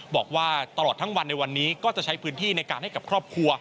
บอกว่าตลอดทั้งวันในวันนี้ก็จะใช้พื้นที่ในการให้กับครอบครัว